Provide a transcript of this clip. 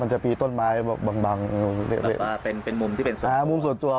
มันจะมีต้นไม้บางมุมเป็นมุมที่เป็นมุมส่วนตัว